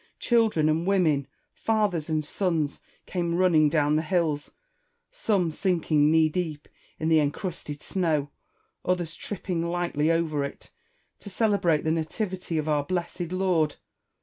Children and women, fathers and sons, came running down the hills — some sink ing knee deep in the encrusted snow, others tripping lightly over it — to celebrate the nativity of our blessed Lord.